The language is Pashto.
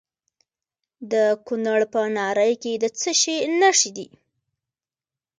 د کونړ په ناړۍ کې د څه شي نښې دي؟